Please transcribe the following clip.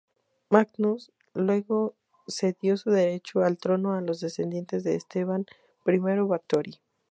Magnus luego cedió su derecho al trono a los descendientes de Esteban I Báthory.